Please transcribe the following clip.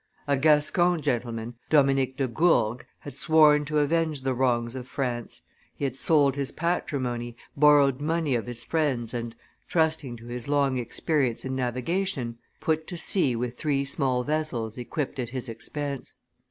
A Gascon gentleman, Dominic de Gourgues, had sworn to avenge the wrongs of France; he had sold his patrimony, borrowed money of his friends, and, trusting to his long experience in navigation, put to sea with three small vessels equipped at his expense.